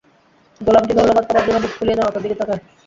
গোলামটি ধন্যবাদ পাবার জন্য বুক ফুলিয়ে জনতার দিকে তাকায়।